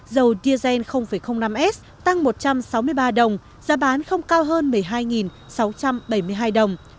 dầu diesel năm s tăng một trăm sáu mươi ba đồng giá bán không cao hơn một mươi hai sáu trăm bảy mươi hai đồng